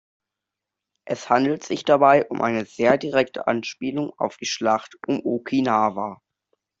Es handelt sich dabei um eine sehr direkte Anspielung auf die Schlacht um Okinawa.